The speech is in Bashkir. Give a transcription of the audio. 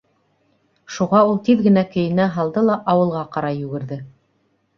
Шуға ул тиҙ генә кейенә һалды ла ауылға ҡарай йүгерҙе.